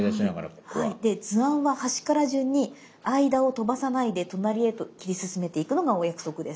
で図案は端から順に間を飛ばさないで隣へと切り進めていくのがお約束です。